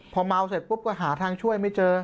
พอเมาเสร็จปุ๊บก็หาทางช่วยไม่เจอ